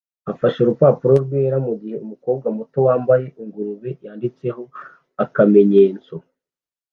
afashe urupapuro rwera mugihe umukobwa muto wambaye ingurube yanditseho akamenyetso